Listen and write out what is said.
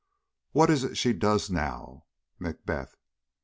What is it she does now? MACBETH.